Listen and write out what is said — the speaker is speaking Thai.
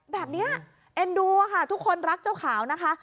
แบบเนี้ยเอ็นดูอ่ะค่ะทุกคนรักเจ้าขาวนะคะ